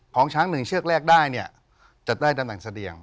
ช้างหนึ่งเชือกแรกได้เนี่ยจะได้ตำแหน่งเสดียง